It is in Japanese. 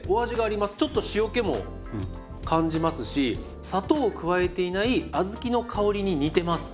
ちょっと塩気も感じますし砂糖を加えていない小豆の香りに似てます。